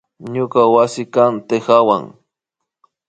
Ñuka wasikan tikawan